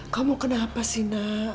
kau mau kenapa sih nak